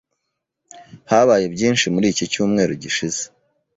Habaye byinshi muri iki cyumweru gishize.